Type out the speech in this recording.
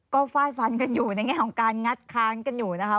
ก็ฟาดฟันกันอยู่ในแง่ของการงัดค้านกันอยู่นะคะ